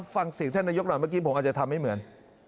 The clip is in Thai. ฟังเสียงท่านนายกหน่อยเมื่อกี้ผมอาจจะทำให้เหมือน